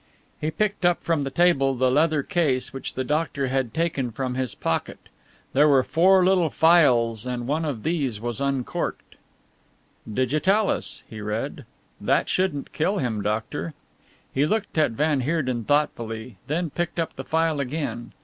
He picked up from the table the leather case which the doctor had taken from his pocket. There were four little phials and one of these was uncorked. "Digitalis!" he read. "That shouldn't kill him, doctor." He looked at van Heerden thoughtfully, then picked up the phial again.